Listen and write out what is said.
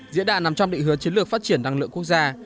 diễn đàn nằm trong định hướng chiến lược phát triển năng lượng quốc gia